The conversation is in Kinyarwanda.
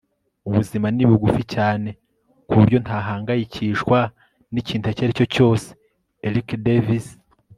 ubuzima ni bugufi cyane ku buryo ntahangayikishwa n'ikintu icyo ari cyo cyose. - eric davis